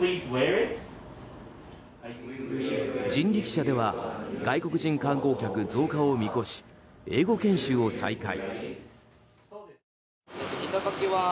人力車では外国人観光客増加を見越し英語研修を再開。